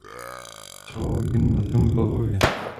Absolvoval gymnázium ve Lvově.